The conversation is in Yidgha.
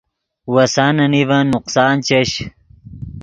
وسانے نیڤن نقصان چش